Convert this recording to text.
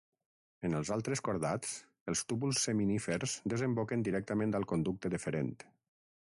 En els altres cordats, els túbuls seminífers desemboquen directament al conducte deferent.